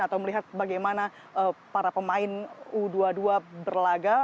atau melihat bagaimana para pemain u dua puluh dua berlaga